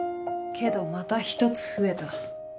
けどまた１つ増えた。